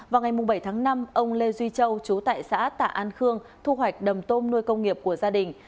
vào ngày bảy tháng năm ông lê duy châu chú tại xã tạ an khương thu hoạch đầm tôm nuôi công nghiệp của gia đình